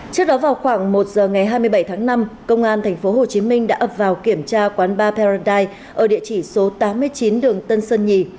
trước đó vào khoảng một giờ ngày hai mươi bảy tháng năm công an tp hcm đã ập vào kiểm tra quán ba peruty ở địa chỉ số tám mươi chín đường tân sơn nhì